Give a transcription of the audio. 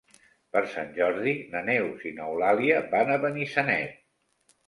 Per Sant Jordi na Neus i n'Eulàlia van a Benissanet.